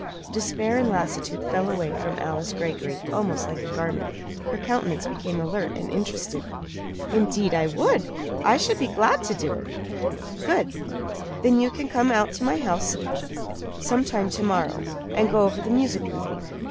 Despair and lassitude fell away from Alice Greggory almost like a garment. Her countenance became alert and interested. "Indeed I would! I should be glad to do it." "Good! Then can you come out to my home sometime to morrow, and go over the music with me?